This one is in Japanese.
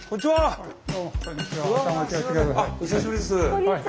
お久しぶりです。